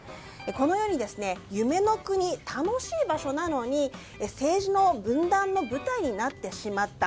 このように、夢の国楽しい場所なのに政治の分断の舞台になってしまった。